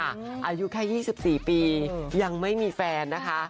อายุแค่๒๔ปียังไม่มีแฟนนะคะ